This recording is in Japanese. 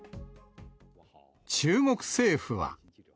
中国政府は。